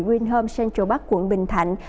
greenhome central park quận bình thạnh